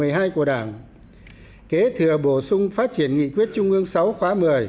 thứ một mươi hai của đảng kế thừa bổ sung phát triển nghị quyết trung ương sáu khóa một mươi